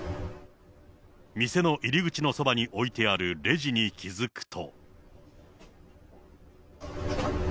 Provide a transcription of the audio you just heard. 店の入り口のそばに置いてあるレジに気付くと。